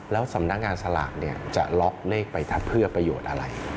แล้วสำนักงานสลากจะล็อกเลขไปเพื่อประโยชน์อะไร